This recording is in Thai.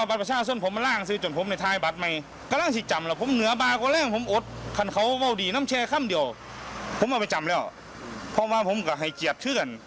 ผมก็บ้างสินะครับเพราะว่ามันไม่มีเหมือนสิมีความช่วงไปอีก